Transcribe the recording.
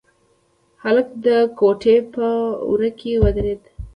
هلک د کوټې په وره کې ودرېد.